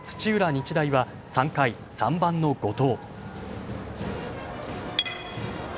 日大は３回、３番の後藤。